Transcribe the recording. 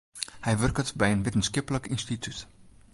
Hy wurket by in wittenskiplik ynstitút.